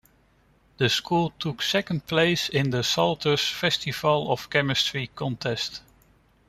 The school took second place in a Salter's Festival of Chemistry contest.